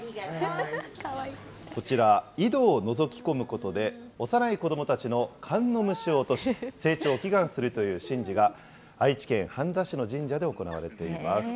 こちら、井戸をのぞき込むことで、幼い子どもたちのかんの虫を落とし、成長を祈願するという神事が、愛知県半田市の神社で行われています。